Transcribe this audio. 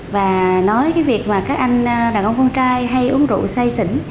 và nói cái việc mà các anh đàn ông con trai hay uống rượu say xỉn